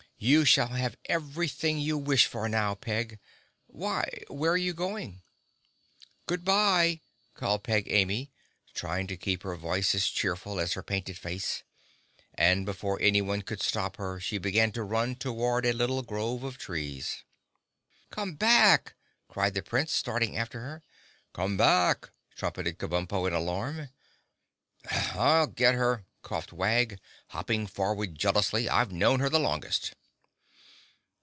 You shall have everything you wish for now, Peg. Why, where are you going?" "Good bye!" called Peg Amy, trying to keep her voice as cheerful as her painted face, and before anyone could stop her she began to run toward a little grove of trees. "Come back!" cried the Prince, starting after her. "Come back!" trumpeted Kabumpo in alarm. "I'll get her!" coughed Wag, hopping forward jealously. "I've known her the longest."